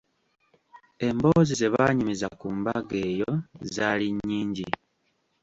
Emboozi zebaanyumiza ku mbaga eyo zaali nnyingi.